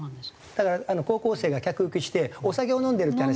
だから高校生が客引きしてお酒を飲んでるって話。